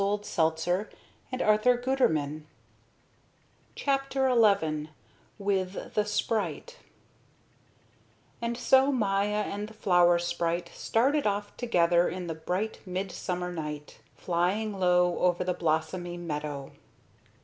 CHAPTER XI WITH THE SPRITE And so Maya and the flower sprite started off together in the bright mid summer night, flying low over the blossomy meadow.